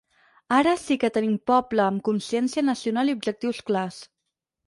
Ara sí que tenim poble amb consciència nacional i objectius clars.